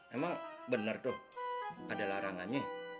emang bener tuh ada larangannya